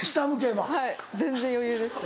はい全然余裕ですね。